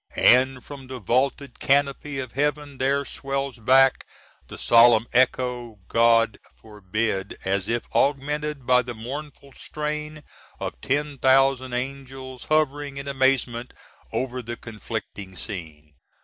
and from the vaulted canopy of heaven there swells back the solemn echo, "God forbid!" As if augmented by the mournful strain of 10,000 angels hovering in amazement over the conflicting scene!